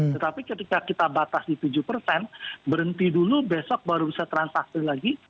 tetapi ketika kita batasi tujuh persen berhenti dulu besok baru bisa transaksi lagi